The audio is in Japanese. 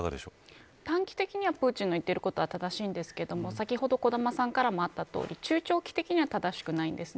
短期的にはプーチンの言っていることは正しいですが先ほど小玉さんからもあったとおり中長期的には正しくないんです。